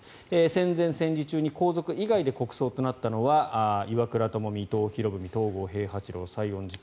戦前、戦時中に皇族以外で国葬となったのは岩倉具視、伊藤博文東郷平八郎西園寺